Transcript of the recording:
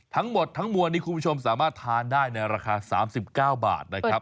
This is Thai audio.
ทั้งหมดทั้งมวลนี้คุณผู้ชมสามารถทานได้ในราคา๓๙บาทนะครับ